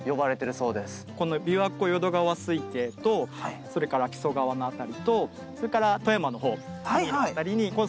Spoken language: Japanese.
このびわ湖淀川水系とそれから木曽川の辺りとそれから富山の方